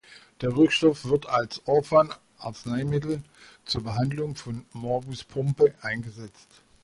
Der Wirkstoff wird als Orphan-Arzneimittel zur Behandlung von Morbus Pompe eingesetzt.